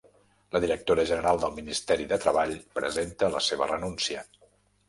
La directora general del Ministeri de Treball presenta la seva renúncia